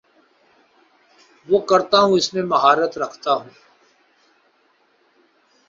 وہ کرتا ہوں اس میں مہارت رکھتا ہوں